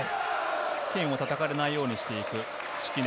剣を叩かれないようにしていく敷根。